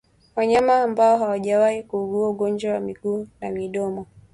Wanyama ambao hawajawahi kuugua ugonjwa wa miguu na midomo